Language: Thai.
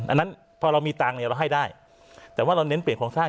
อันนั้นพอเรามีตังค์เนี่ยเราให้ได้แต่ว่าเราเน้นเปลี่ยนโครงสร้าง